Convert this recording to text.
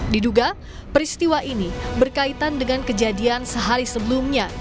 diduga peristiwa ini berkaitan dengan kejadian sehari sebelumnya